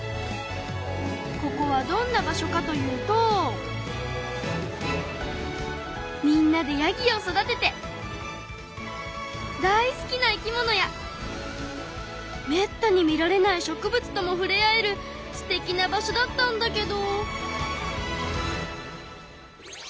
ここはどんな場所かというとみんなでヤギを育てて大好きな生き物やめったに見られない植物ともふれ合えるすてきな場所だったんだけど。